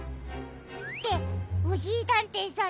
っておしりたんていさん